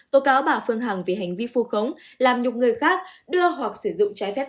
tố cáo bà phương hằng vì hành vi phu khống làm nhục người khác đưa hoặc sử dụng trái phép